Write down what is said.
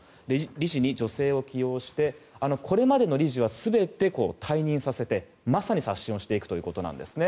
理事に女性を起用してこれまでの理事は全て退任させてまさに刷新させていくということなんですね。